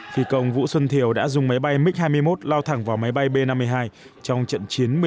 phi công vũ xuân thiều đã dùng máy bay mig hai mươi một lao thẳng vào máy bay b năm mươi hai trong trận chiến một mươi